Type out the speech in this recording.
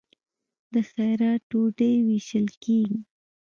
د خیرات ډوډۍ ویشل کیږي.